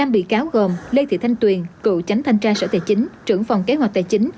năm bị cáo gồm lê thị thanh tuyền cựu tránh thanh tra sở tài chính trưởng phòng kế hoạch tài chính